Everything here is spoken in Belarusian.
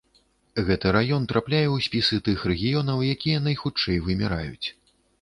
Гэты раён трапляе ў спісы тых рэгіёнаў, якія найхутчэй выміраюць.